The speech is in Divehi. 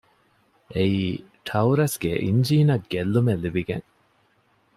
އެއީ ޓައުރަސްގެ އިންޖީނަށް ގެއްލުމެއް ލިބިގެން